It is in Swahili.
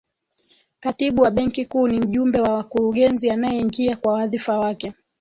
katibu wa benki kuu ni mjumbe wa wakurugenzi anayeingia kwa wadhifa wake